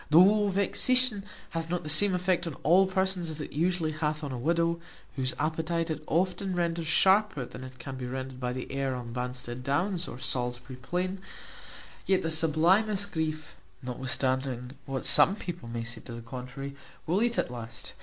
Though vexation hath not the same effect on all persons as it usually hath on a widow, whose appetite it often renders sharper than it can be rendered by the air on Bansted Downs, or Salisbury Plain; yet the sublimest grief, notwithstanding what some people may say to the contrary, will eat at last.